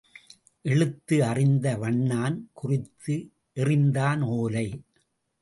எழுத்து அறிந்த வண்ணான் குறித்து எறிந்தான் ஓலை.